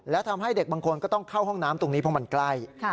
และทำให้เด็กบางคนก็ต้องเข้าห้องน้ำตรงนี้เพราะมันใกล้